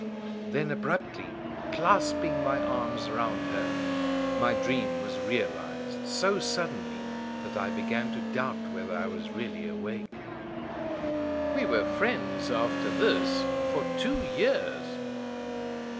Then, abruptly, clasping my arms round her, my dream was realized so suddenly that I began to doubt whether I was really awake. We were friends after this for two years."